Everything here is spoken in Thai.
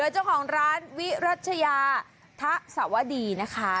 เจ้าของร้านวิรัชยาทะสวดีนะคะ